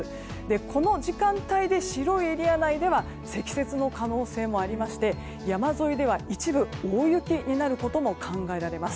この時間帯で白いエリア内では積雪の可能性もありまして山沿いでは、一部大雪になることも考えられます。